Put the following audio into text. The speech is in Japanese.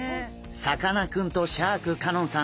さかなクンとシャーク香音さん